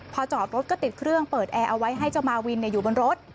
พอจอดรถก็ติดเครื่องเปิดแอร์เอาไว้ให้เจ้ามาวินอยู่บนรถ